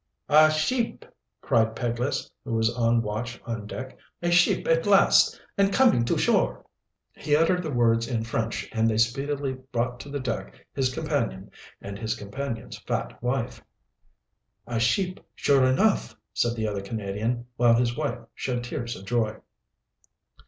"A ship!" cried Peglace, who was on watch on deck. "A ship at last, and coming to shore!" He uttered the words in French, and they speedily brought to the deck his companion and his companion's fat wife. "A ship, sure enough," said the other Canadian, while his wife shed tears of joy.